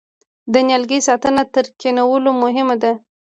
د نیالګي ساتنه تر کینولو مهمه ده؟